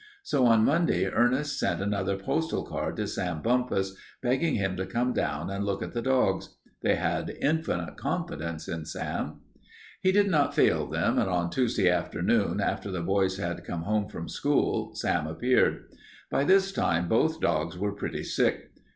So on Monday Ernest sent another postal card to Sam Bumpus, begging him to come down and look at the dogs. They had infinite confidence in Sam. He did not fail them, and on Tuesday afternoon after the boys had come home from school Sam appeared. By this time both dogs were pretty sick.